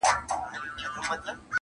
بس دا یوه شپه سره یوازي تر سبا به سو -